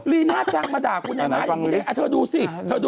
มีความเป็นกลสตรีบ้างไหม